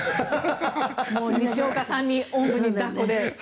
もう西岡さんにおんぶにだっこで。